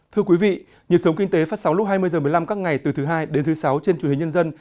thưa quý vị nhật sống kinh tế phát sóng lúc hai mươi h một mươi năm các ngày từ thứ hai đến thứ sáu trên truyền hình nhân dân